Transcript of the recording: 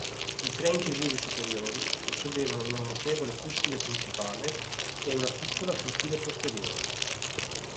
I tre incisivi superiori possedevano una notevole cuspide principale e una piccola cuspide posteriore.